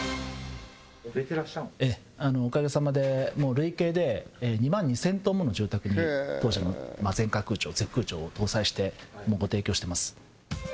あのおかげさまでもう累計で２万２０００棟もの住宅に当社の全館空調Ｚ空調を搭載してご提供してます